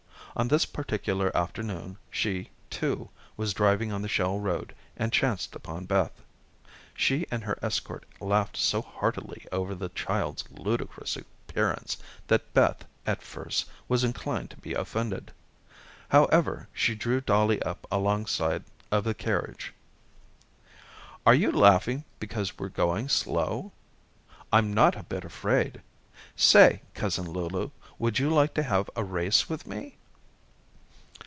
On this particular afternoon she, too, was driving on the shell road and chanced upon Beth. She and her escort laughed so heartily over the child's ludicrous appearance that Beth, at first, was inclined to be offended. However, she drew Dollie up alongside of the carriage. "Are you laughing because we're going slow? I'm not a bit afraid. Say, Cousin Lulu, would you like to have a race with me?"